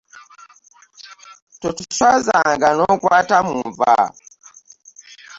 Totuswazanga n'okwata mu nva.